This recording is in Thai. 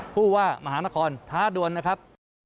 ผู้ว่ามหานครท้าดวนนะครับ